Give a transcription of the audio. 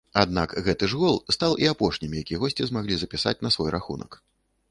Аднак гэты ж гол стаў і апошнім, які госці змаглі запісаць на свой рахунак.